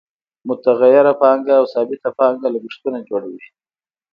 متغیره پانګه او ثابته پانګه لګښتونه جوړوي